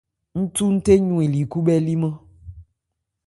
Nthunthe ywɛnli khúbhɛ́límán.